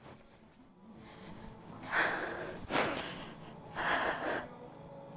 はあ。